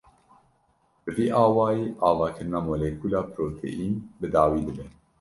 Bi vî awayî avakirina molekûla proteîn bi dawî dibe.